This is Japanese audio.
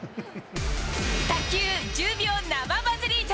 卓球１０秒生バズリート。